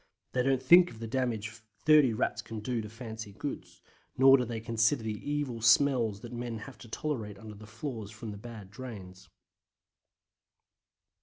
They don't think of the damage 30 Rats can do to fancy goods, nor do they consider the evil smells that men have to tolerate under the floors or from the bad drains.